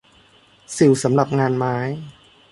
สิ่วสำหรับงานไม้